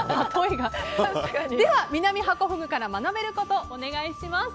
ではミナミハコフグから学べること、お願いします。